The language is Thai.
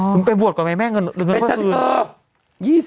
อ๋อมึงไปบวชก่อนไหมแม่งเงินเงินของคืน